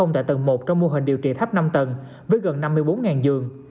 tại tầng một trong mô hình điều trị thấp năm tầng với gần năm mươi bốn giường